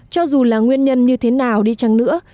cho dù là nguyên nhân như thế nào đi chăng nữa